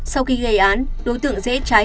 sau khi gây án đối tượng dễ trái